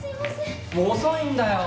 もう遅いんだよ！